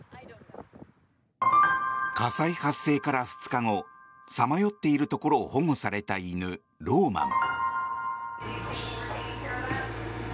火災発生から２日後さまよっているところを保護された犬、ローマン。